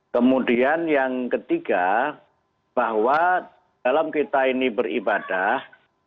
kemudian yang ketiga bahwa dalam kita ini beribadah